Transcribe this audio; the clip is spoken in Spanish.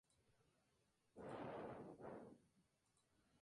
Históricamente, el asesinato fue visto como un punto de inflexión.